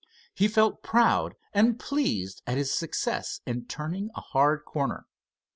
He felt proud and pleased at his success in turning a hard corner.